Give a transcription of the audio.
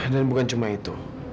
dan bukan cuma itu